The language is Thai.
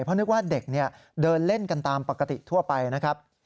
เพราะนึกว่าเด็กเดินเล่นกันตามปกติทั่วไปนะครับ